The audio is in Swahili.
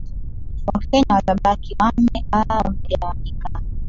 wakenya watabaki wame aa wamegawanyika